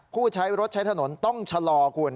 ผู้ใช้รถใช้ถนนต้องชะลอคุณ